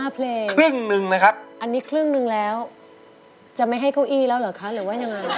เพลงครึ่งหนึ่งนะครับอันนี้ครึ่งหนึ่งแล้วจะไม่ให้เก้าอี้แล้วเหรอคะหรือว่ายังไง